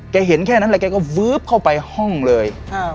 เห็นแค่นั้นแหละแกก็วื๊บเข้าไปห้องเลย